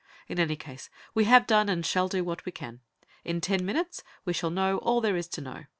In any case, we have done and shall do what we can. In ten minutes we shall know all there is to know.